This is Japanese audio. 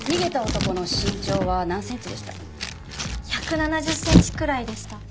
１７０ｃｍくらいでした。